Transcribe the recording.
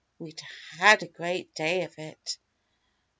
We'd had a great day of it.